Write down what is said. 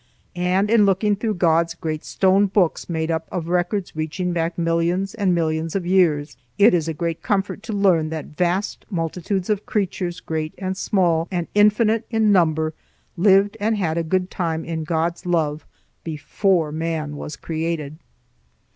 And in looking through God's great stone books made up of records reaching back millions and millions of years, it is a great comfort to learn that vast multitudes of creatures, great and small and infinite in number, lived and had a good time in God's love before man was created.